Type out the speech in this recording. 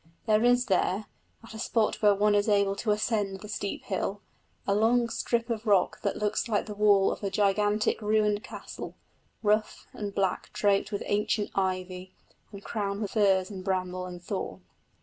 There is there, at a spot where one is able to ascend the steep hill, a long strip of rock that looks like the wall of a gigantic ruined castle, rough and black, draped with ancient ivy and crowned with furze and bramble and thorn.